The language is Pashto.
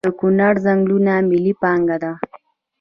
د کنړ ځنګلونه ملي پانګه ده؟